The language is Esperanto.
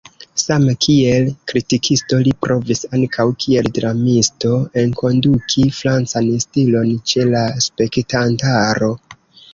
Same kiel kritikisto li provis ankaŭ kiel dramisto enkonduki francan stilon ĉe la spektantaro.